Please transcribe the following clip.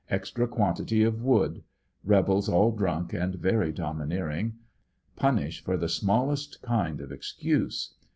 Extra quantity of wood. Rebels all drunk and very domineering. Punish for the smallest kind of excuse.